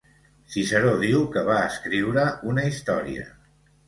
Ciceró diu que va escriure una història.